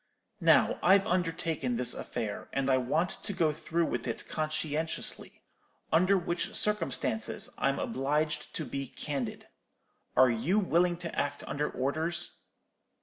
Now, I've undertaken this affair, and I want to go through with it conscientiously; under which circumstances I'm obliged to be candid. Are you willing to act under orders?'